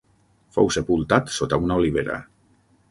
Fou sepultat sota una olivera.